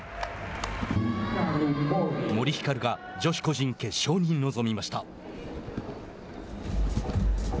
森ひかるが女子個人決勝に臨みました。